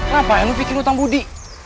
ngapain lo pikirin utang budi